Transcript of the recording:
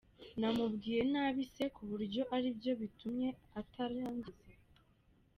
Namubwiye nabi se ku buryo aribyo bitumye atarangiza ?.